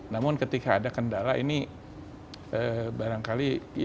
namun ketika ada kendala ini barangkali yang bisa dijadikan contohnya